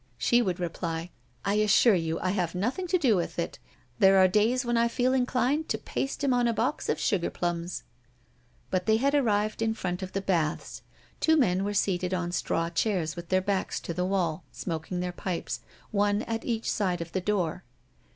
She would reply: "I assure you I have nothing to do with it. There are days when I feel inclined to paste him on a box of sugar plums." But they had arrived in front of the baths. Two men were seated on straw chairs with their backs to the wall, smoking their pipes, one at each side of the door.